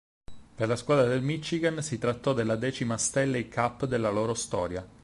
Per la squadra del Michigan si trattò della decima Stanley Cup della loro storia.